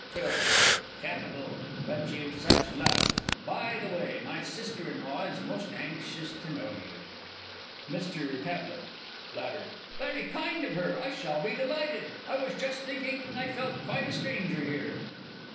PHIL. Capital! but you've such luck. By the way, my sister in law is most anxious to know you. MR. T. (flattered). Very kind of her. I shall be delighted. I was just thinking I felt quite a stranger here.